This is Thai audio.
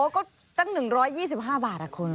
อ๋อก็ตั้ง๑๒๕บาทครับคุณ